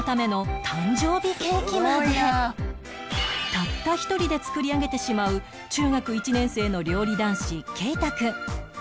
たった一人で作り上げてしまう中学１年生の料理男子圭太くん